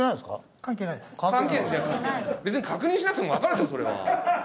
別に確認しなくてもわかるでしょそれは。